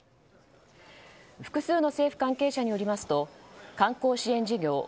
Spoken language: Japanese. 複数の政府関係者によりますと観光支援事業